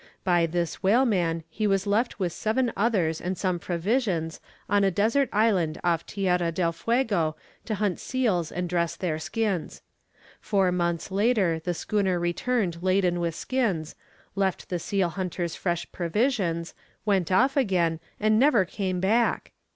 By this whaleman he was left with seven others and some provisions on a desert island off Tierra del Fuego to hunt seals and dress their skins. Four months later the schooner returned laden with skins, left the seal hunters fresh provisions, went off again, and never came back!